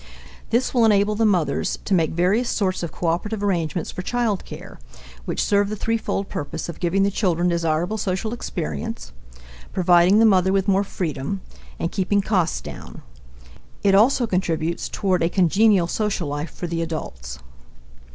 This will enable the mothers to make various sorts of cooperative arrangements for child care, which serve the threefold purpose of giving the children desirable social experience, providing the mother with more freedom, and keeping costs down. It also contributes toward a congenial social life for the adults.